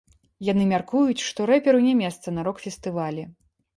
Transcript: Яны мяркуюць, што рэперу не месца на рок-фестывалі.